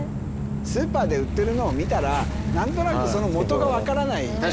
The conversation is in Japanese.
スーパーで売ってるのを見たら何となくそのもとが分からないじゃん。